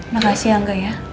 makasih angga ya